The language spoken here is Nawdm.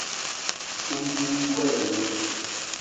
Tong ku wii wii lalan.